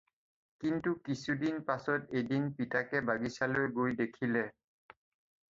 কিন্তু কিছুদিন পাচত এদিন পিতাকে বাগিচালৈ গৈ দেখিলে